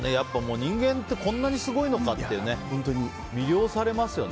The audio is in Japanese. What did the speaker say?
人間ってこんなにすごいのかって魅了されますよね。